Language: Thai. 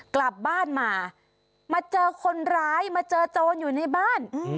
กลับบ้านมามาเจอคนร้ายมาเจอโจรอยู่ในบ้าน